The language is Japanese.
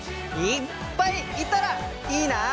いっぱいいたらいいな！